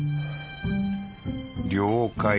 「了解。